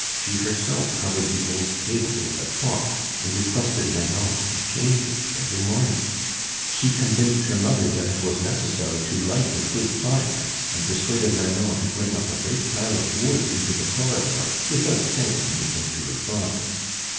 She herself covered the old table with a cloth and requested Nanon to change it every morning; she convinced her mother that it was necessary to light a good fire, and persuaded Nanon to bring up a great pile of wood into the corridor without saying anything to her father.